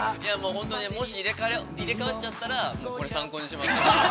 ◆本当にもし入れ替わっちゃったらこれ参考にします。